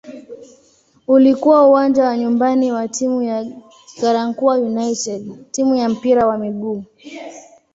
Ulikuwa uwanja wa nyumbani wa timu ya "Garankuwa United" timu ya mpira wa miguu.